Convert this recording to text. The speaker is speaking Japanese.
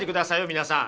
皆さん。